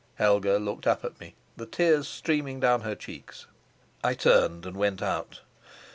Helga looked up at me, the tears streaming down her cheeks. I turned and went out.